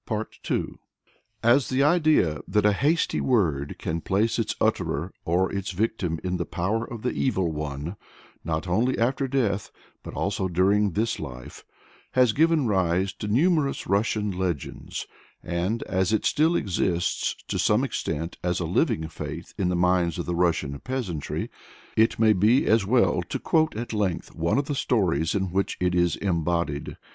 pp. 244 7.] As the idea that "a hasty word" can place its utterer or its victim in the power of the Evil One (not only after death, but also during this life) has given rise to numerous Russian legends, and as it still exists, to some extent, as a living faith in the minds of the Russian peasantry, it may be as well to quote at length one of the stories in which it is embodied.